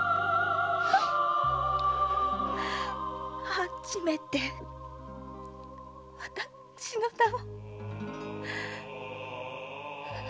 初めて私の名を！